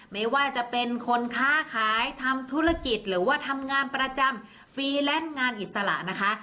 ไม่ว่าจะเป็นคนค้าขายทำธุรกิจหรือว่าทำงานประจำฟรีแลนซ์งานอิสระนะคะ